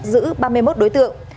giữ ba mươi một đối tượng